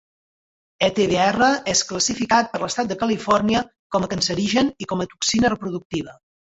EtBr és classificat per l'Estat de Califòrnia com a cancerigen i com a toxina reproductiva.